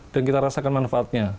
dan kita rasakan manfaatnya